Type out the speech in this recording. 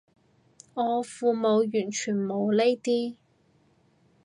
我父母完全冇呢啲